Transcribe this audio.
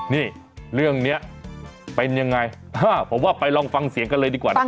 นี่เรื่องนี้เป็นยังไงถ้าผมว่าไปลองฟังเสียงกันเลยดีกว่านะครับ